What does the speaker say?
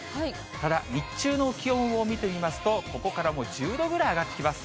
ただ、日中の気温を見てみますと、ここからもう１０度ぐらい上がってきます。